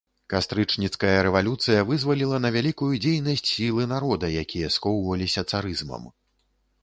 Кастрычніцкая рэвалюцыя вызваліла на вялікую дзейнасць сілы народа, якія скоўваліся царызмам.